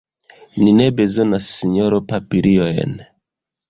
Ni ne bezonas, sinjoro, papiliojn!